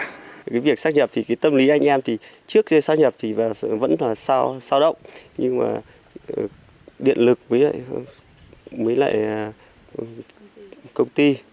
cái việc xác nhập thì cái tâm lý anh em thì trước kia xác nhập thì vẫn là sao động nhưng mà điện lực với lại công ty